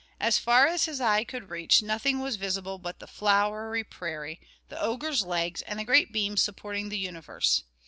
As far as his eye could reach, nothing was visible but the flowery prairie, the ogre's legs, and the great beams supporting the universe.